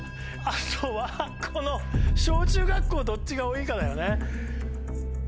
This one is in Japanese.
あとはこの小中学校どっちが多いかだよね。